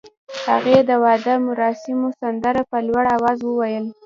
هغې د واده مراسمو سندره په لوړ اواز وویل.